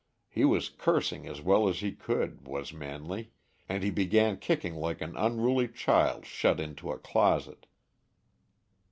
He was cursing as well as he could was Manley, and he began kicking like an unruly child shut into a closet.